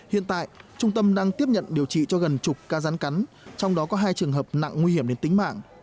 hiện tại trung tâm đang tiếp nhận điều trị cho gần chục ca rán cắn trong đó có hai trường hợp nặng nguy hiểm đến tính mạng